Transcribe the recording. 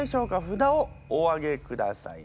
札をお上げください。